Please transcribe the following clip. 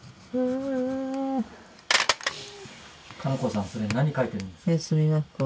加那子さんそれ何描いてるんですか？